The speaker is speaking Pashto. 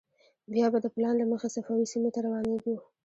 بیا به د پلان له مخې صفوي سیمې ته روانېږو.